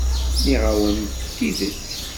Nniɣ-awent-d tidet.